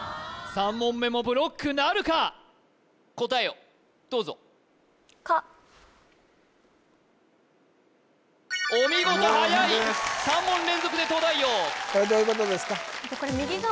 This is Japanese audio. ３問目もブロックなるか答えをどうぞお見事はやい３問連続で東大王これどういうことですか？